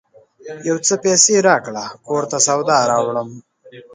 یو څه پیسې راکړه ! کور ته سودا راوړم